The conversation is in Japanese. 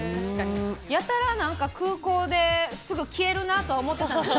やたら空港ですぐ消えるなとは思ってたんです。